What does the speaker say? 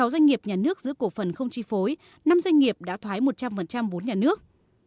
sáu doanh nghiệp nhà nước giữ cổ phần không chi phối năm doanh nghiệp đã thoái một trăm linh vốn nhà nước